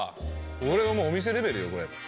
これはもうお店レベルよこれ。